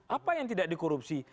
apa yang tidak dikorupsi